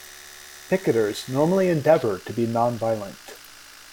Picketers normally endeavor to be non-violent.